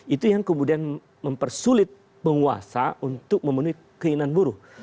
itu yang kemudian mempersulit penguasa untuk memenuhi keinginan buruh